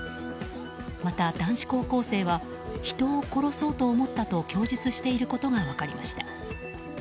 また、男子高校生は人を殺そうと思ったと供述していることが分かりました。